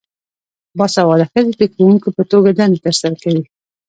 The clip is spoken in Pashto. باسواده ښځې د ښوونکو په توګه دنده ترسره کوي.